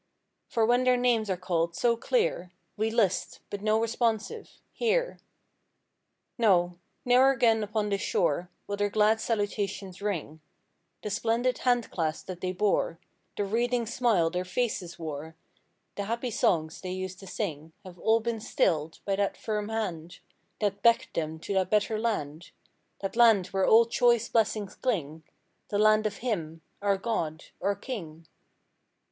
For when their names are called, so clear. We list—but no responsive—"Here!" No—ne'er again upon this shore Will their glad salutations ring; The splendid handclasp that they bore; The wreathing smile their faces wore; The happy songs they used to sing Have all been stilled, by that firm hand That beck'ed them to that better land— That land where all choice blessings cling. The land of Him, our God—our King.